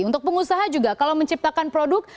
untuk pengusaha juga kalau menciptakan produk